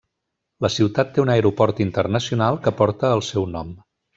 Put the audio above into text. La ciutat té un aeroport internacional que porta el seu nom.